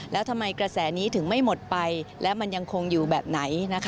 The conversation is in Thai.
แล้วทำไมกระแสนี้ถึงไม่หมดไปและมันยังคงอยู่แบบไหน